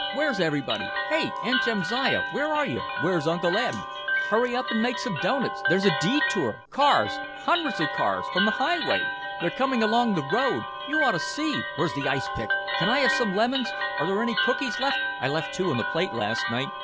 Where's everybody? Hey, Aunt Jamsiah, where are you? Where's Uncle Eb? Hurry up and make some doughnuts? There's a detour! Cars—hundreds of cars—from the highway—they're coming along the road. You ought to see. Where's the ice pick? Can I have some lemons? Are there any cookies left? I left two on the plate last night.